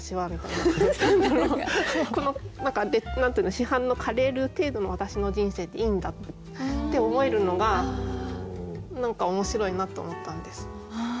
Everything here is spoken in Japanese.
市販のカレールー程度の私の人生でいいんだって思えるのが何か面白いなと思ったんです。